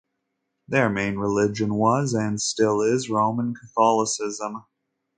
Their main religion was, and still is, Roman Catholicism.